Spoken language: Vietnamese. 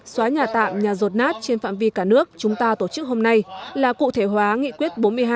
xóa nhà tạm nhà rột nát trên phạm vi cả nước chúng ta tổ chức hôm nay là cụ thể hóa nghị quyết bốn mươi hai